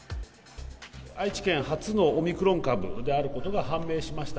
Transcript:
愛知県初のオミクロン株であることが判明しました。